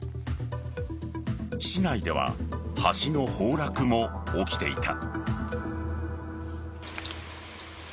市内では橋の崩落も起きていた。